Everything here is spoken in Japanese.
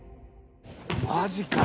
「マジかよ」